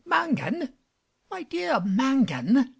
Mangan! My dear Mangan!